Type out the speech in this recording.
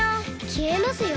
「消えますよ」